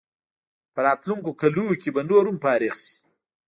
په راتلونکو کلونو کې به نور هم فارغ شي.